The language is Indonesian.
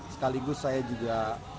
sekaligus saya juga